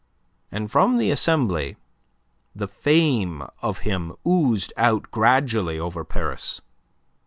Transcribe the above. And from the Assembly the fame of him oozed out gradually over Paris.